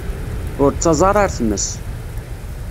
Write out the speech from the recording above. Ur ttaẓ ara ar tmes.